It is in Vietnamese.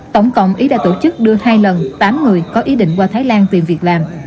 tổng cộng ý đã tổ chức đưa hai lần tám người có ý định qua thái lan tìm việc làm